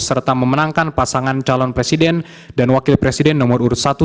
serta memenangkan pasangan calon presiden dan wakil presiden nomor urut satu